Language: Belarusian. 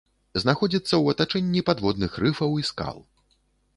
Знаходзіцца ў атачэнні падводных рыфаў і скал.